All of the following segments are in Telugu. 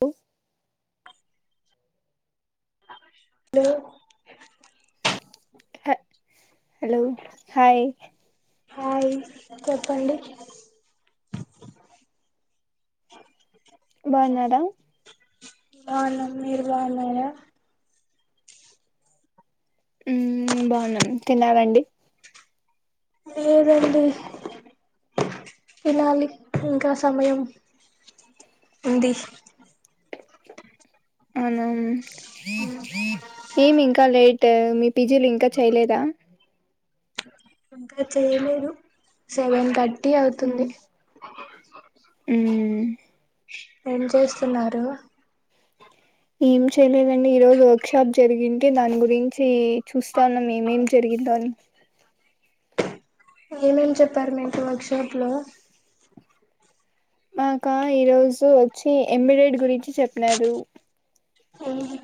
ఓ. లో. హా హాలో హాయ్. హాయ్, చెప్పండి. బాన్నాడా!? బాన్న. మీర్ బాగున్నారా? ఊహ్మ్ బాగున్నాం. తినారండి.? లేదండి తినాలి, ఇంకా సమయం ఉంది. అవున ఏం ఇంకా లేట్? టే మీ పీజీలు ఇంకా చేయ్లేదా.? ఇంకా చెయ్లేదు సెవెన్ తట్. టీ అవుతుంది. హ్మ్. ఏం చేస్తున్నారు.? ఏం చేయలేదండి ఈ రోజు వర్క్షాప్ జరిగింటే దాని గురించి చూస్తా ఉన్నాం ఏమేం జరిగిందో అని. ఏమేం చెప్పారు మీకు వర్క్షాప్లో. !? మాకా ఈరోజు ఓచ్చి ఎంబిడేడ్ గురించి చెప్పినడూ. ఆహా.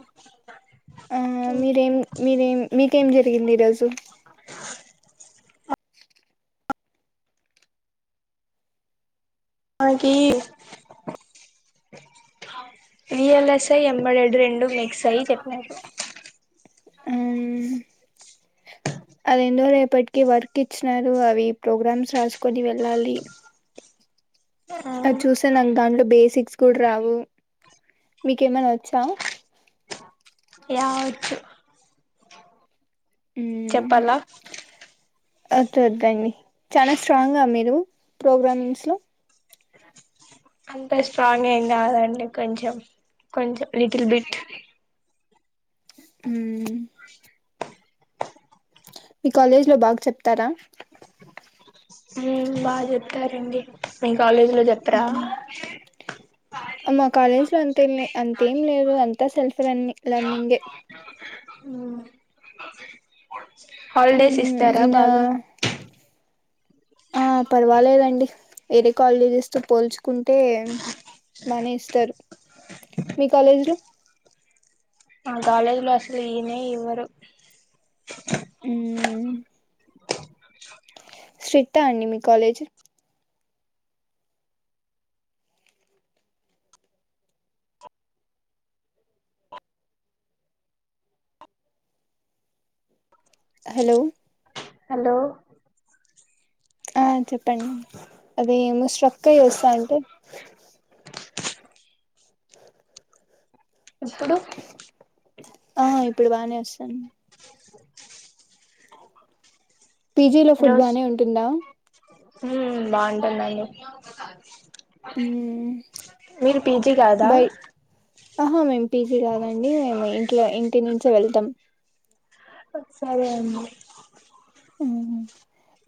ఆ మీరేం, మీరేం మీ. కేం జరిగింది ఈరోజు. మాకీ విఎల్ఎస్ఐ ఎబైడెడు రెండు మిక్సై చెప్పినారు. అదెందో రేపటికి వర్క్ ఇచ్చినారు అవి ప్రోగ్రామ్స్ రాసుకొని వెళ్ళాలి. అది చూసా నాక్ దాంట్లో బేసిక్స్ కూడా రావు, మీకేమనా వచ్చా.? యా ఓచ్చూ. చెప్పాలా.? వదు వద్దండి చాలా స్ట్రాంగా మీరు ప్రోగ్రామింగ్స్ లో? ! అంత స్ట్రాంగ్ ఏం గాదండి కొంచెం, కొంచెం లిటిల్ బిట్. మ్మ్ మీ కాలేజీలో బాగా చెప్తారా? మ్మ్ బాగా చెప్తారండి. కాలేజ్‌లో చెప్పారా? మ్మ్ ఎప్పుడూ అంతేలే. అంతేం లేదు, అంతా సెల్ఫ్ లెర్నిం లెర్నింగే. అ [unintelligible] మ్మ్, ఇగ ఆ పర్వాలేదండి. వేరే కాలేజెస్తో, పోల్చుకుంటే బానే ఇస్తారు. మీ కాలేజ్‌లో.. ఆ కాలేజీలో, అసలు ఈయనే ఇవ్వరు. మ్మ్ [unintelligible] ఇదా అండి, మీ కాలేజే? హలో! హాలో ఆ, చెప్పండి. అదే ఏమో, స్టాక్. కై వస్తా, అంటే? ఇప్పుడు ఆ, ఇప్పుడు బానే వస్తాంది. పీజీలో ఫుడ్ రోజు బానే ఉంటుందా? ఉమ్, బాగుంటుందండి. మ్మ్ మీరు పీజీ గాదా? బై ఆహా, మేమ్. పీజీ కాదండి, మేము ఇంట్లో ఇంటినించి. అయితే, వెళ్తాం. అక్ సరే అండి. ఉహ్మ్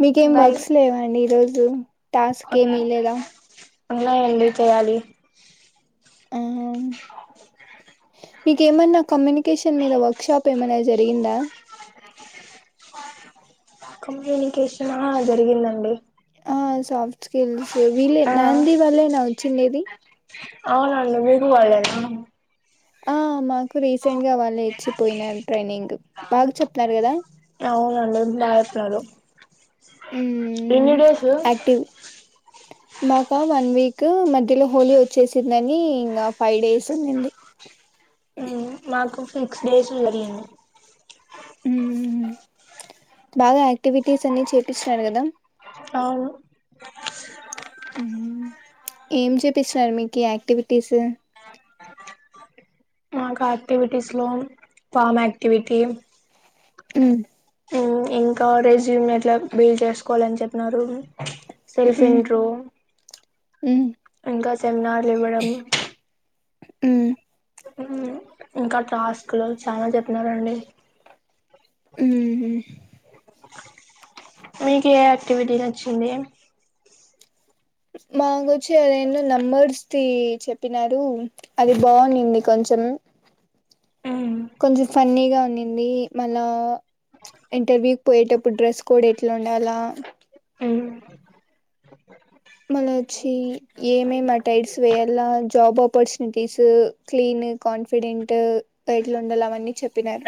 మీకేం బాయ్ వర్క్స్ లేవా అండి, ఈరోజు? రూమ్. టాస్క్ ఉన్ ఏమి లేదా? ఉన్నాయండి, చేయాలి. అవ్, మీకేమన్నా కమ్యూని వెకేషన్ మీద వర్క్‌షాప్ ఏమైనా జరిగిందా? కమ్యూనికేషన్ ఆ జరిగిందండి. ఆ, సాఫ్. స్కిల్స్ వీళ్ళే ఆ నాంది వాళ్ళేనా వచ్చిండేది. !? అవునండి! మీకు వల్లేనా.? ఆ మా. కు రీసెంట్గా వాళ్ళే ఇచ్చిపోయినర్ ట్రైనింగ్ బాగ్ చెప్తున్నారు గదా!. ఉండవసలు. మ్మ్ ఎన్ని డేసు.? ! యాక్టివ్ మాకా వన్ వీక్ మధ్యలో హోలీ ఓచ్చేసిందని ఇంగ ఫైవ్ డేస్ ఉండింది. ఊ మాకు. సిక్స్ డేస్ జరిగింది. ఉహు, బాగా యాక్టివిటీస్ అన్ని చేపిచినారు గదా. అవును. ఉహూ ఏం చేపిచ్నారు మీకీ యాక్టివిటీస్? మాక్ యాక్టివిటీస్లో ఫామ్ యాక్టివిటీ. హ్మ్. ఊ ఇంకా రెజ్యూమ్ అట్లా బిల్డ్ చేసుకోలని చెప్పినారు. సెల్ఫ్ ఇంట్రో, ఇంకా సెమినార్లివ్వడం. ఊ. ఇంకా టాస్క్లో చాలా చెప్పినారండి. ఊహు. మీకె యాక్టివిటీ నచ్చింది? మాకోచ్చి అదెందో నంబర్స్ ది చెప్పినారు అది బాగుండింది కొంచెం. కొంచెం ఫన్నీగా ఉండింది. మళ్లా ఇంటర్వ్యూక్ పోయేటప్పుడు డ్రెస్ కోడ్ ఎట్లా ఉండాల. మళ్ళా ఓచ్చి ఏమేం అటైడ్స్ వేయాల, జాబ్ ఆపర్చునిటీసూ, క్లీన్, కాన్ఫిడెంట్, ఎట్లుండాల అవన్నీ చెప్పినారు.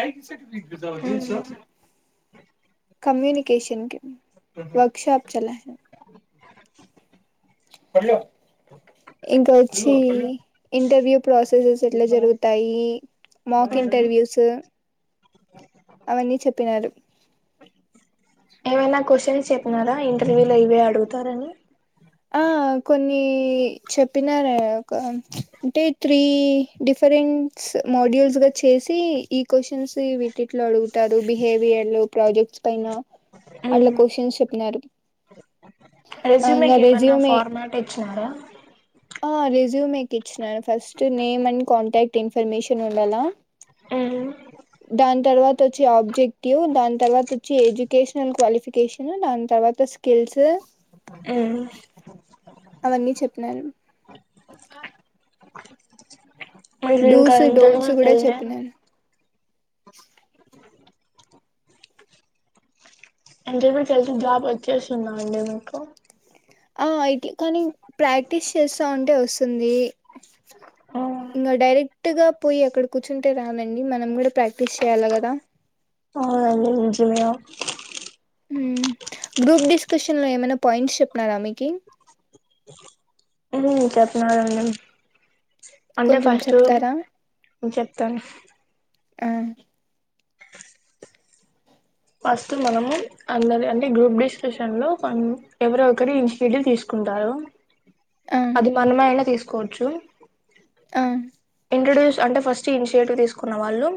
కమ్యూనికేషన్కీ వర్క్షాప్ [unintelligible] పడ్లొ. ఇంకొచ్చి ఇంటర్వ్యూ ప్రాసెసెస్ ఎట్లా జరుగుతాయి మాక్ ఇంటర్వ్యూస్. అవన్నీ చెప్పినారు. ఏమైనా క్వశ్చన్స్ చెప్పినారా ఇంటర్వ్యూలో ఇవే అడుగుతారని.? ఆ కొన్ని చెప్పినారాక అంటే త్రీ డిఫరెంట్స్ మోడ్యూల్స్ గా చేసి ఈ క్వశ్చన్స్ వీటిట్లో అడుగుతాదు బిహేవియర్లు, ప్రాజెక్ట్స్ పైన అట్లా క్వశ్చన్స్ చెప్పినారు. రేజ్యుమీ ఇంకా కేమా. నా రెజ్యూమే ఫార్మాటెద్. చ్చారా. ఆ రిజ్యూమె కిచ్చినాను first name and contact information ఉండాలా. దాన్ తర్వాత ఓచ్చి ఆబ్జెక్టివ్, దాని తర్వాత వచ్చి ఎడ్యుకేషనల్ క్వాలిఫికేషన్, దాని తర్వాత స్కిల్స్. అవన్నీ చెప్పినారు. డూస్ డోంట్స్ కూడా చెప్పినాను [unintelligible] [inaudible] అంటే మీకు ఏళ్తే జాబ్ వచ్చేస్తుందా అండి మీకు.? ! ఆ అయితే కానీ ప్రాక్టీస్ చేస్తా ఉంటే వస్తుంది. ఆ ఇంగా డైరెక్టుగా పోయి అక్కడ కూర్చుంటే రాదండి మనం గూడా ప్రాక్టీస్ చేయాల గదా. [unintelligible] గ్రూప్ డిస్కషన్ లో ఏమైనా పాయింట్స్ చెప్పినారా మీకి? ఊ చెప్పినారు అండి. అంటే కొంచెం ఫస్ట్, చెప్తారా చెప్తాను. ఆ. ఫస్టు మనము, అందరిది అన్ని గ్రూప్ డిస్కషన్ లో మనము ఎవరెవరో ఒకరి ఇనిషియేటివ్ తీసుకుంటారో. ఆ అది మనమైనా, తీసుకు. కొచు. ఆ. ఇంట్రడ్యూస్ అంటే? ఫస్ట్ ఇనిషియేటివ్ తీసుకున్న వాళ్లు.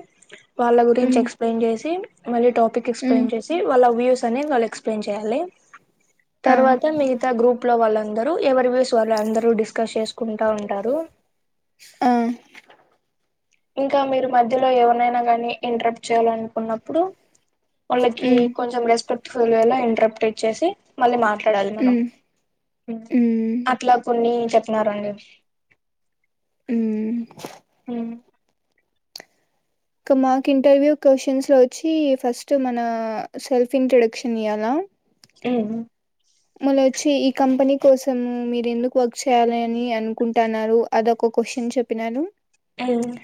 వాళ్ల గురించి హ్మ్ ఎక్స్‌ప్లెయిన్ చేసి. మళ్లీ ఈడు? టాపిక్ హ్మ్ ఎక్స్‌ప్లెయిన్ చేసి, వాళ్ల వ్యూస్. తనే, వాళ్ల ఎక్స్‌ప్లెయిన్ చేయాలి? ఆ తర్వాత, మిగతా గ్రూప్. [unintelligible] ప్ లో వాళ్లందరూ, ఎవరి వ్యూస్ వాళ్లందరూ డిస్కస్ చేసుకుంటా ఉంటారు. ఆహ్. ఇంకా మీరు, మధ్యలో ఎవరినైనా కానీ, ఇంటరప్ట్ చేయాలనుకున్నప్పుడు? వాళ్లకి హ్మ్ కొంచెం, రెస్పెక్ట్! ఒకవేళ ఇంటరప్ట్ ఇచ్చేసి, మళ్లీ మాట. మాట్లాడాలి మనం. హ్మ్ హ్మ్మ్, హ్మ్ అట్లా కొని? చెప్పినారండి. ఉమ్మ్. ఉమ్ కా మాక్ ఇంటర్వ్యూ క్వశ్చన్స్ లో వచ్చి, ఫస్ట్ మన సెల్ఫ్ ఇంట్రడక్షన్ ఇయ్యాల. హ్మ్మ్. మల్ల వచ్చి, ఈ కంపెనీ కోసము మీరు ఎందుకు వర్క్ చేయాలని అనుకుంటున్నారు? అది ఒక క్వశ్చన్ చెప్పినాను. హ్మ్మ్.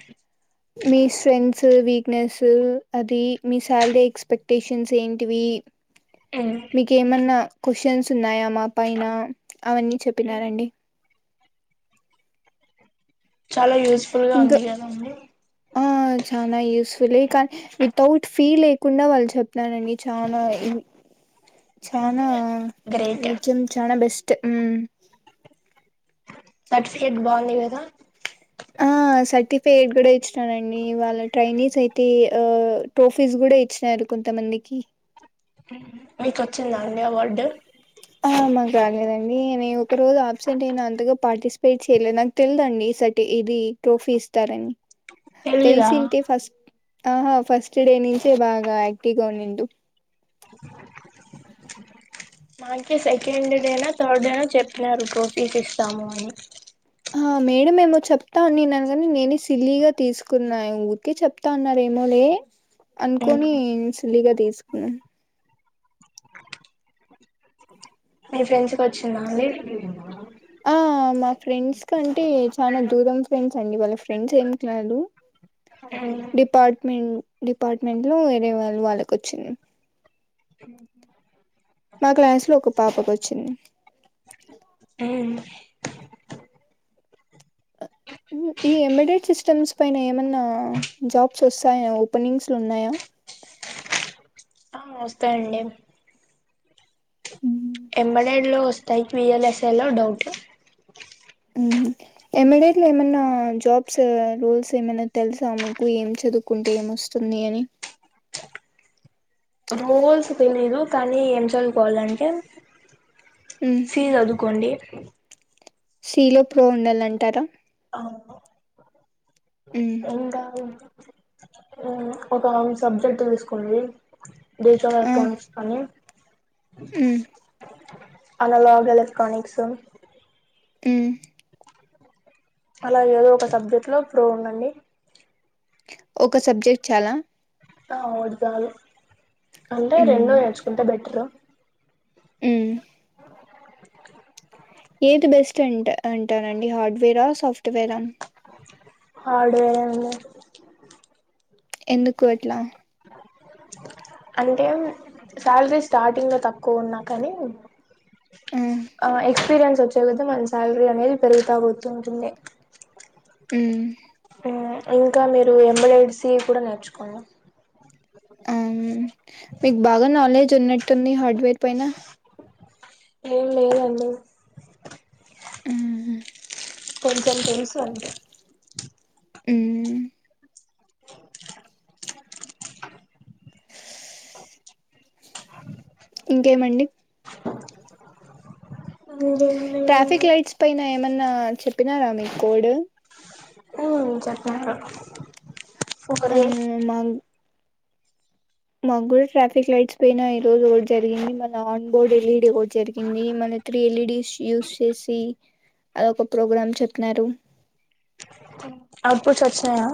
మీ స్ట్రెంగ్త్స్ సు, వీక్‌నెస్‌ సు, అది మీ శాలరీ ఎక్స్‌పెక్టేషన్స్ ఏంటివి? ఉమ్ మీకేమన్నా? క్వశ్చన్స్ ఉన్నాయా, మా పైన? అవన్నీ చెప్పినారండి. చాలా యూజ్‌ఫుల్‌గా ఉంది ఇంకా కదా? అండి. కాన, వితౌట్ ఫీల్ ఏ లేకుండా? వాళ్లు చెప్పినారండి చానా ఇవి. చానా గ్రేట్ నిత్యం, చానా బెస్ట్. హ్మ్మ్ సర్టిఫికెట్, బా ఉంది కదా? ఆ సర్టిఫేట్ కూడా ఇచ్చినాడండి. వాళ్ల ట్రైనీస్ అయితే, ఆ ట్రోఫీస్ కూడా ఇచ్చినారు! కొంతమందికి. హ్మ్మ్, మీకు వచ్చిందా అండి అవార్డు? ఆ మాక రాలేదండి. నే ఒక రోజు అబ్సెంట్ అయినా. అంతగా పార్టిసిపేట్ చేయలేనాన్. నాకు తెలదు అండి? సర్టి ఇది, ట్రోఫీ ఇస్తార అని? తెలీదా తెల్సింటే ఫస్ట్. ఆహా, ఫస్ట్ డే నించేయ్, బాగా యాక్టివ్‌గా ఉంనిండు. [unintelligible] మాకే సెకండ్ డే నా, థర్డ్ డే నా, చెప్పినారు ట్రోఫీస్ ఇస్తాము అని. ఆహ్, మేడం ఏమో చెప్తా అన్నినారు? గాని నేనే సిల్లీగా తీసుకున్నాను. అయినా ఊరికే చెప్తా అన్నారు ఏమోలే? అన్కొని సలిగద్ తీసుకున్నా మీ ఫ్రెండ్స్కి వచ్చిందా అండి ఆ మా ఫ్రెండ్స్ కంటే చాలా దూరం ఫ్రెండ్స్ అండి వాళ్ళ ఫ్రెండ్స్ ఏం కాదు, ఉమ్ డిపార్ట్మెంట్ డిపార్ట్మెంట్ లో వేరే వాళ్ళు వాళ్ళకొచ్చిన్ మా క్లాస్ లో ఒక పాపకొచ్చిన్ అవును ఈ ఎమీడెట్ సిస్టమ్స్ పైన ఏమన్నా జాబ్స్ వస్తాయా ఓపెనింగ్స్ లు ఉన్నాయా? ఆ వస్తాయండి ఉ ఎంబడడ్ లో వస్తాయి విఎల్ఎస్ఏ లో డౌట్ మ్మ్ ఎమిడెట్లో ఏమన్నా జాబ్స్ రూల్స్ ఏమన్నా తెలుసా మీకు ఏం చదువుకుంటే ఏమొస్తుంది అని. ఓ కోల్స్ పెనీరు కానీ ఏం చదువుకోవాలంటే ఉమ్ సీ చదుకోండి సీలో ప్రో ఉండాలంటారా ఉమ్ ఇంగా మ్మ్ ఒక అం సబ్జెక్ట్ తీసుకోండి డిజిటల్ ఎలక్ట్రానిక్స్ కాని మ్మ్ అలలాగ్ ఎలెక్ట్రానిక్సు మ్మ్ అలా ఏదో ఒక సబ్జెక్ట్లో ప్రో ఉండండి ఒక సబ్జెక్ట్ చాలా ఆ ఒగటి చాలు అంటే రెండో ఉమ్ నేర్చుకుంటే బెట్టరు ఉమ్ ఏది బెస్ట్ అంట అంటానండి హార్డ్వేరా సాఫ్ట్వేరా హార్డువేర్ అండీ ఎందుకు అట్లా అంటే శాలరీ స్టార్టింగ్ లో తక్కువ ఉన్నా కానీ ఆ ఎక్స్పీరియన్స్ పొచ్చలతే మన శాలరీ అనేది పెరుగుతా పోతూ ఉంటుంది మ్మ్ మ్మ్ ఇంకా మీరు ఎంబెడడ్ సి కూడా నేర్చుకున్ ఆ మ్ మీకు బాగా నాలెడ్జ్ ఉన్నట్ టున్ని హాడ్ వేట్ పైనా ఏం లేదండి. ఉమ్ కొంచెం టెన్స్ అంతే. ఉమ్. [unintelligible] ఇంకేమండి ఇంకేం ట్రాఫిక్ లేదండి లైట్స్ పైన ఏమన్నా చెప్. చెప్పినాన నీకు కోడ్. ఉమ్ చెప్పినారు. ఆ సూపర్వెజ్. ముగ్గురు ట్రాఫిక్ లైట్స్ పైన ఈ రోజు ఓట్ జరిగింది. మన ఆన్ బోర్డ్ ఎల్ఈడీ ఓడ్ జరిగింది. మన త్రీ ఎల్ఈడి యూస్ చేసి అదొ ఒక ప్రోగ్రామ్ చెప్న్నారు. అవుట్ ఫుట్స్ వచ్చినాయా.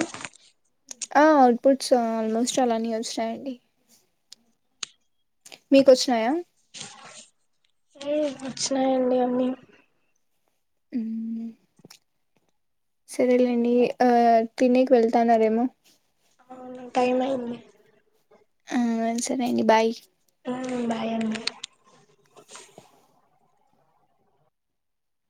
ఆహ్ అవుట్పుట్స్ ఆల్మోస్ట్ అలాన్ని వచ్చాయండి మీకు వచ్చినాయా. మ్ వచ్చినాయండి అన్నీ. ఉమ్ సరేలేండి ఆహ్ తినికి వెళ్తాన్నారేమో. అవునవును టైమ్ అయింది. ఆహ్ సరే అండి బాయ్. ఆహ్ బాయ్ అండి.